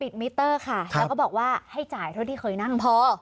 มิเตอร์ค่ะแล้วก็บอกว่าให้จ่ายเท่าที่เคยนั่งพอ